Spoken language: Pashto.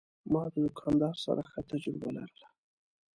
ما د دوکاندار سره ښه تجربه لرله.